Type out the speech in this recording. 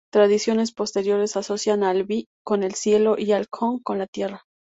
Tradiciones posteriores asocian al "Bi" con el Cielo, y al Cong con la tierra.